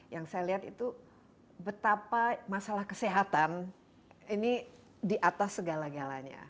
yang saya lihat itu betapa masalah kesehatan ini di atas segala galanya